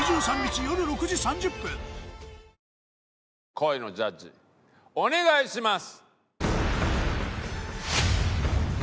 恋のジャッジお願いします！